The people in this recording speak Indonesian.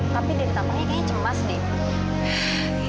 tapi di tempatnya kayaknya cemas didi